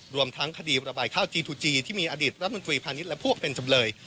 รวมทั้งคดีระบายข้าวจีทูจีที่มีอดีตรัฐมนตรีพาณิชย์และพวกเป็นจำเลย